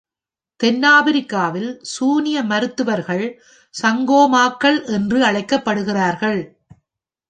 தென்னாப்பிரிக்காவில், சூனிய மருத்துவர்கள் "சங்கோமாக்கள்" என்று அழைக்கப்படுகிறார்கள்.